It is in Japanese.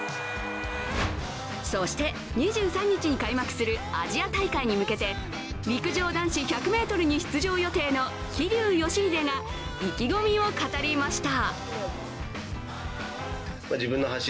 そして２３日に開幕するアジア大会に向けて陸上男子１００ｍに出場予定の桐生祥秀が意気込みを語りました。